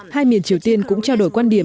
hai miền triều tiên cũng trao đổi quan điểm